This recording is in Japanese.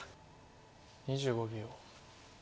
２５秒。